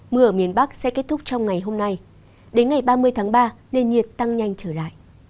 mưa ở miền bắc sẽ kết thúc trong ngày hôm nay đến ngày ba mươi tháng ba nền nhiệt tăng nhanh trở lại